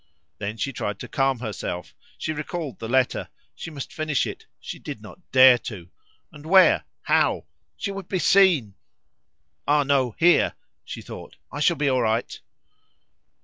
Then she tried to calm herself; she recalled the letter; she must finish it; she did not dare to. And where? How? She would be seen! "Ah, no! here," she thought, "I shall be all right."